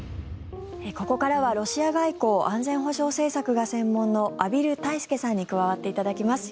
ここからはロシア外交・安全保障政策が専門の畔蒜泰助さんに加わっていただきます。